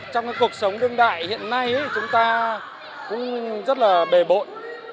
trong cuộc sống đương đại hiện nay chúng ta cũng rất là bề bộn